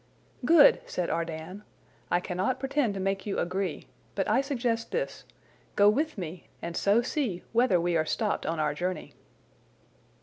"Good!" said Ardan. "I cannot pretend to make you agree; but I suggest this: Go with me, and so see whether we are stopped on our journey."